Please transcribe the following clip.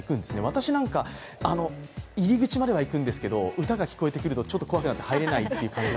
私なんか、入り口までは行くんですけど歌が聞こえてくると怖くなって入れないという。